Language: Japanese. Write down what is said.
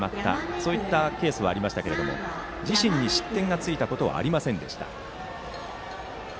そういったケースはありましたが自身に失点がついたことはありませんでした。